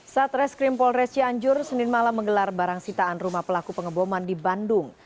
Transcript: satreskrim polres cianjur senin malam menggelar barang sitaan rumah pelaku pengeboman di bandung